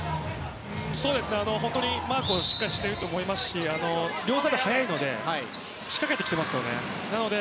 本当にマークをしっかりしていると思いますし両サイド速いので仕掛けてきていますよね。